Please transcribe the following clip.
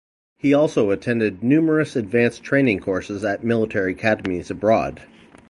He also attended numerous advanced training courses at military academies abroad.